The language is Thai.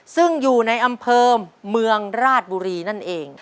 ซึ่งอยู่ในอำเภอเมืองราชบุรีนั่นเอง